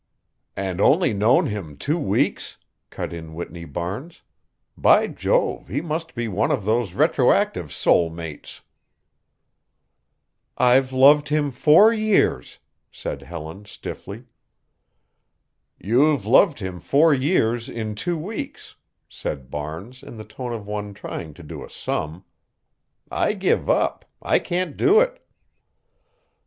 "And only known him two weeks," cut in Whitney Barnes. "By Jove, he must be one of those retroactive soul mates." "I've loved him four years," said Helen stiffly. "You've loved him four years in two weeks," said Barnes in the tone of one trying to do a sum. "I give up. I can't do it."